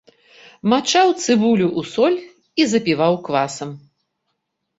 Мачаў цыбулю ў соль і запіваў квасам.